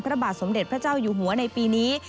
พระบาทสมเด็จพระเจ้าอยู่หัวในปีนี้